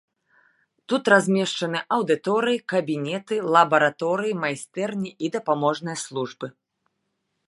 Тут размешчаны аўдыторыі, кабінеты, лабараторыі, майстэрні і дапаможныя службы.